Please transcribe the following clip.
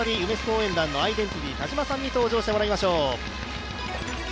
応援団のアイデンティティ田島さんに登場してもらいましょう。